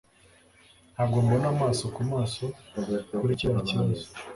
Ntabwo mbona amaso kumaso kuri kiriya kibazo